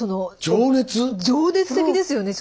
情熱的ですよね。